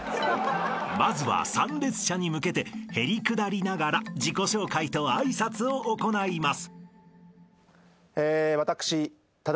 ［まずは参列者に向けてへりくだりながら自己紹介と挨拶を行います］